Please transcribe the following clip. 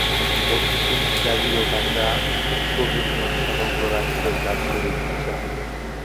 দক্ষিণ স্লাভীয় ভাষা স্লোভেনীয় সমগ্র রাষ্ট্রের দাপ্তরিক ভাষা।